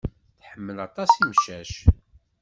Tḥemmel aṭas imcac.